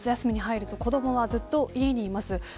村上さん、夏休みに入ると子どもはずっと家にいます。